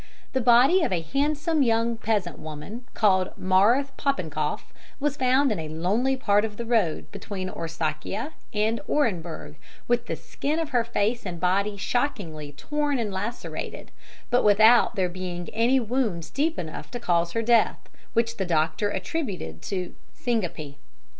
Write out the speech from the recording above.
The body of a handsome young peasant woman, called Marthe Popenkoff, was found in a lonely part of the road, between Orskaia and Orenburg, with the skin of her face and body shockingly torn and lacerated, but without there being any wounds deep enough to cause her death, which the doctor attributed to syncope.